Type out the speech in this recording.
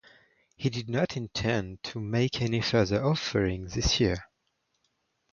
He did not intend to make any further offerings this year.